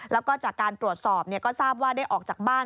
แล้วก็จากการตรวจสอบก็ทราบว่าได้ออกจากบ้าน